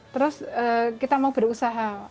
terus kita mau berusaha